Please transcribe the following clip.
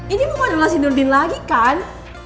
ini muka dulu si nurbin lagi kan